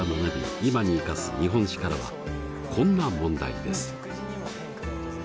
今に生かす「日本史」からはこんな問題です。